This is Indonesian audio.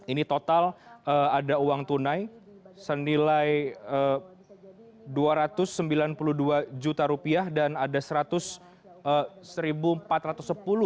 ini total ada uang tunai senilai rp dua ratus sembilan puluh dua juta rupiah dan ada rp satu empat ratus sepuluh